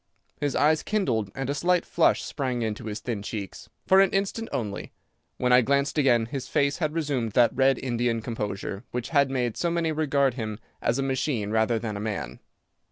His eyes kindled and a slight flush sprang into his thin cheeks. For an instant only. When I glanced again his face had resumed that red Indian composure which had made so many regard him as a machine rather than a man.